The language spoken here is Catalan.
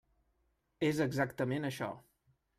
És exactament això.